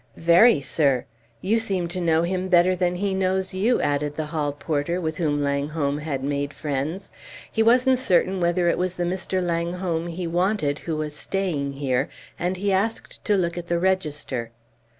"Very, sir. You seem to know him better than he knows you," added the hall porter, with whom Langholm had made friends. "He wasn't certain whether it was the Mr. Langholm he wanted who was staying here, and he asked to look at the register."